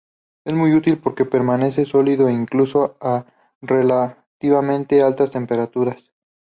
Es muy útil porque permanece sólido incluso a relativamente altas temperaturas.